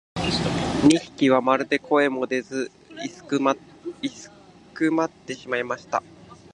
二疋はまるで声も出ず居すくまってしまいました。